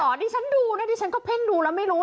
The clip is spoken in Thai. จริงเหรอดิฉันดูดิฉันก็เพ่งดูแล้วไม่รู้